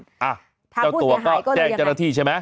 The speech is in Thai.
เจ้าตัวก็แจ้งจรฐีใช่ไหม